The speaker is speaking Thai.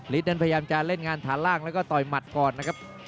นั้นพยายามจะเล่นงานฐานล่างแล้วก็ต่อยหมัดก่อนนะครับ